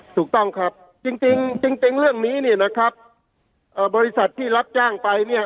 ถูกต้องครับจริงจริงเรื่องนี้เนี่ยนะครับบริษัทที่รับจ้างไปเนี่ย